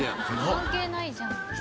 関係ないじゃん。